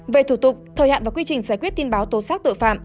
về thủ tục thời hạn và quy trình giải quyết tin báo tố xác tội phạm